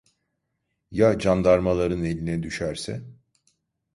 Ya candarmaların eline düşerse?